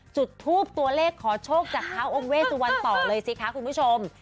จุดทูปตัวเลขขอโชคจากเท้าองค์เวสุวรรณต่อเลยสิคะคุณผู้ชม